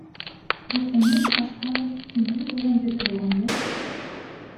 Бирок эмне үчүн Аскаров тинтүү болгон жерде болгон эмес?